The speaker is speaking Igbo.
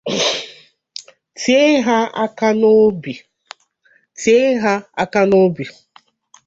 tie ha aka n'obi